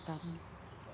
dan selama ini mengikuti